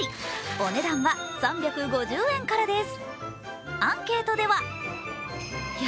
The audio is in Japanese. お値段は３５０円からです。